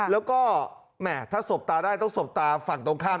แล้วก็แหมถ้าสบตาได้ต้องสบตาฝั่งตรงข้าม